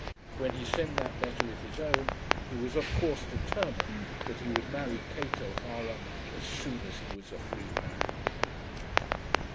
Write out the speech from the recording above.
When he sent that letter with his own, he was of course determined that he would marry Kate O'Hara as soon as he was a free man.